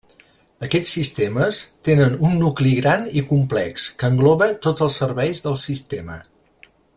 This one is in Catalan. Aquests sistemes tenen un nucli gran i complex, que engloba tots els serveis del sistema.